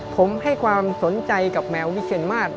ผมให้ความสนใจกับแมววิเชียนมาส